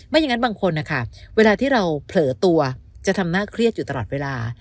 อย่างนั้นบางคนนะคะเวลาที่เราเผลอตัวจะทำหน้าเครียดอยู่ตลอดเวลา